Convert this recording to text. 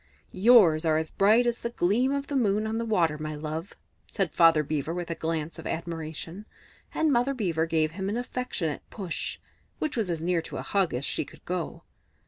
"Yours are as bright as the gleam of the moon on the water, my love," said Father Beaver with a glance of admiration; and Mother Beaver gave him an affectionate push, which was as near to a hug as she could go.